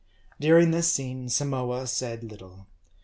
During this scene, Samoa said little.